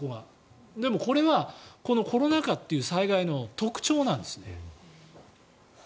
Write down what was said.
でもこれはコロナ禍という災害の特徴なんですね。